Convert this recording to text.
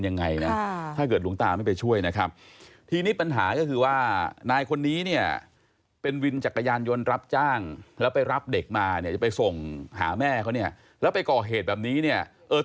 อย่างคนอะไม่อยากยุ่งวิพัฒน์ไม่ใช่เรื่องเนี่ย